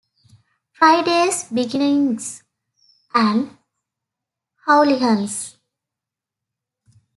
Friday's, Bennigan's, and Houlihan's.